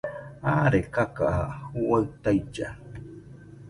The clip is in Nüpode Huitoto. Aare kakaja juaɨ tailla